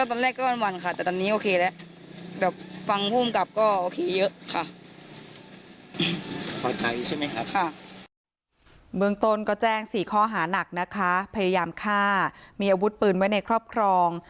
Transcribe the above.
เมืองต้นก็แจ้ง๔ข้อหานักนะคะพยายามฆ่ามีอาวุธปืนไว้ในครอบครอง